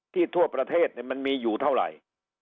ทั่วประเทศมันมีอยู่เท่าไหร่